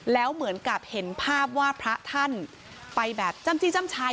แล้วเหมือนกับเห็นภาพว่าพระท่านไปแบบจ้ำจี้จ้ำชัย